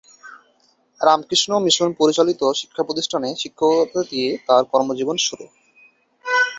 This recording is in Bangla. রামকৃষ্ণ মিশন পরিচালিত শিক্ষাপ্রতিষ্ঠানে শিক্ষকতা দিয়ে তার কর্মজীবন শুরু করেন।